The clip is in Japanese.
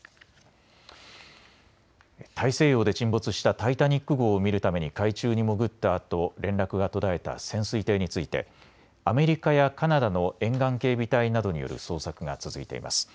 大西洋で沈没したタイタニック号を見るために海中に潜ったあと連絡が途絶えた潜水艇についてアメリカやカナダの沿岸警備隊などによる捜索が続いています。